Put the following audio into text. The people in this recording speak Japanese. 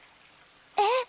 えっ！